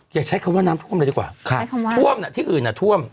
อยากใช้คำว่าน้ำท่วมดีกว่าครับท่วมอ่ะที่อื่นน่ะท่วม